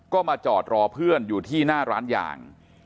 ก็มาจอดรอเพื่อนอยู่ที่หน้าร้านยาง